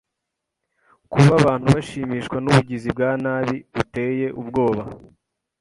Kuba abantu bashimishwa nubugizi bwa nabi buteye ubwoba.